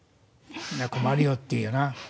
困るよって言うよな。